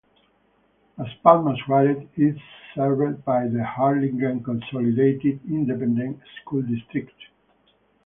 Las Palmas-Juarez is served by the Harlingen Consolidated Independent School District.